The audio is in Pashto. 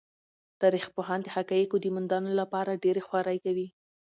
تاریخ پوهان د حقایقو د موندلو لپاره ډېرې خوارۍ کوي.